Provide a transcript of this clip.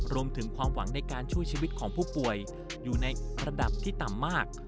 รวมถึงความหวังในการช่วยชีวิตของผู้ป่วยอยู่ในระดับที่ต่ำมาก